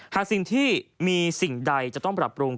หากสิ่งที่มีสิ่งใดจะต้องปรับปรุง